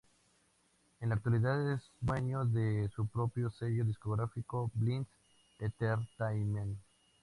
En la actualidad, es dueño de su propio sello discográfico, Bliss Entertainment.